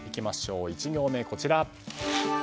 １行目こちら。